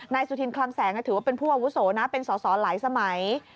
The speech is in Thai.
สุธินคลังแสงถือว่าเป็นผู้อาวุโสนะเป็นสอสอหลายสมัย